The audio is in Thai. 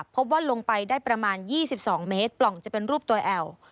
พบว่าลงไปได้ประมาณ๒๒เมตรปล่องจะเป็นรูปตัวแอล